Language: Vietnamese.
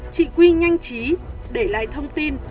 chị quy nhanh chí để lại thông tin